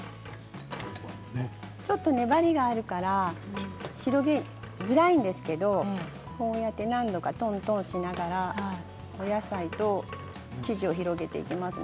粘りがちょっとあるので広げづらいんですけれどこうやって何度かとんとんしながらお野菜と生地を広げていきます。